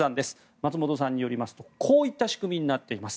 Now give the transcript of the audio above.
松本さんによりますとこういった仕組みになっています。